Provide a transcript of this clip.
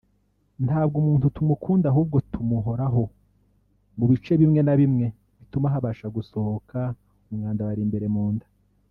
ntabwo umuntu tumukanda ahubwo tumukoraho mu bice bimwe na bimwe bituma habasha gusohoka umwanda wari imbere mu nda